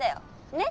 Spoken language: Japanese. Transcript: ねっ？